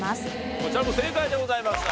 こちらも正解でございました。